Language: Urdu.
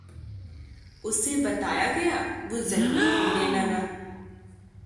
اُسے بتایا گیا وُہ ذہین ہونے لگا